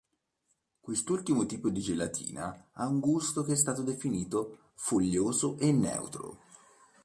Quest'ultimo tipo di gelatina ha un gusto che è stato definito "foglioso" e "neutro".